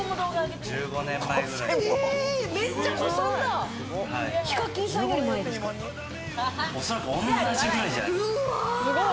１５年前くらい。